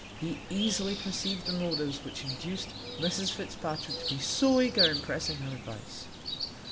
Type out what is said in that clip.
He easily perceived the motives which induced Mrs Fitzpatrick to be so eager in pressing her advice.